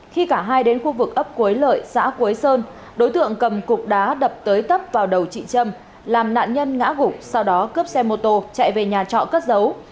khi cả hai đến khu vực ấp quế lợi xã quế sơn đối tượng cầm cục đá đập tới tấp vào đầu chị trâm làm nạn nhân ngã gục sau đó cướp xe mô tô chạy về nhà trọ cất giấu